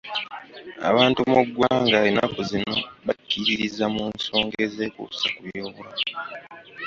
Abantu mu ggwanga ennaku zino bakkiririza mu nsonga ezeekuusa ku by'obulamu.